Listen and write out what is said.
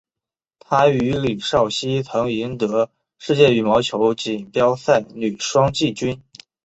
她与李绍希曾赢得世界羽毛球锦标赛女双季军。